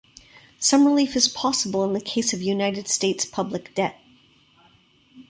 Some relief is possible in the case of United States public debt.